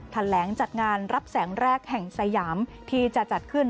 ถัดแหลงจัดงานหลักแสงแรกแห่ง่ำสายหาที่จะจัดขึ้น